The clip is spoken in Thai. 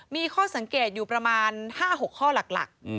มีข้อสังเกตอยู่ประมาณ๕๖ข้อหลัก